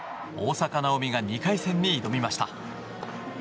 大坂なおみが２回戦に挑みました。